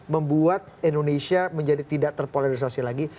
membuat indonesia menjadi tidak terpolarisasi lagi